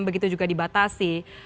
begitu juga dibatasi